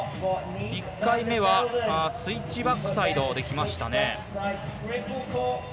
１回目はスイッチバックサイドできましたね。